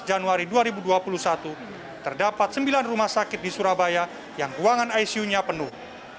dua belas januari dua ribu dua puluh satu terdapat sembilan rumah sakit di surabaya yang ruangan icu nya penuh